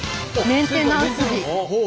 「メンテナンス日」。